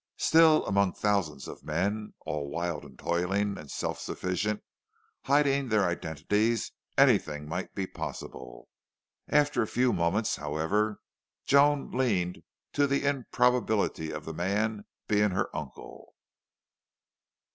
Still, among thousands of men, all wild and toiling and self sufficient, hiding their identities, anything might be possible. After a few moments, however, Joan leaned to the improbability of the man being her uncle.